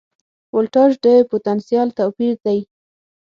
ولتاژ د پوتنسیال توپیر دی.